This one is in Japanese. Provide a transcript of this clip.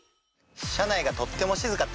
車内がとっても静かってこと？